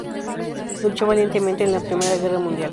Luchó valientemente en la Primera Guerra mundial.